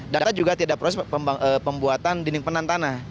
dan juga tidak ada proses pembuatan dinding penan tanah